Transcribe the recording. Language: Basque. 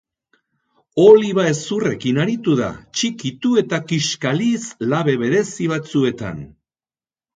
Oliba hezurrekin aritu da, txikitu eta kixkaliz labe berezi batzuetan.